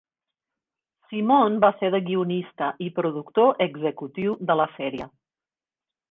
Simon va fer de guionista i productor executiu de la sèrie.